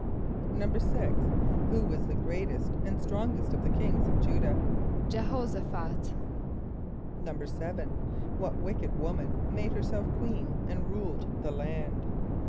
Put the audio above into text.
= =6.= Who was the greatest and strongest of the kings of J[=u]´dah? =J[+e] h[)o]sh´a ph[)a]t=. =7.= What wicked woman made herself queen and ruled the land?